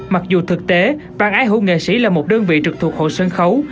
mặc dù thực tế ban ái hữu nghệ sĩ là một đơn vị trực thuộc hội sân khấu